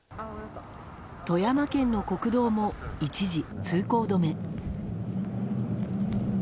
富山県の国道も一時通行止め。